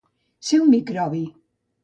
Ser un microbi.